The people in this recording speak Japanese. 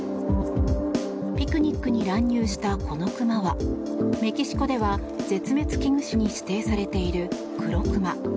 ピクニックに乱入したこのクマはメキシコでは絶滅危惧種に指定されているクロクマ。